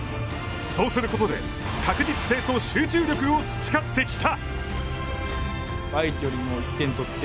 そうすることで確実性と集中力を培ってきた。